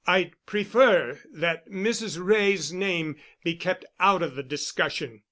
"I'd prefer that Mrs. Wray's name be kept out of the discussion.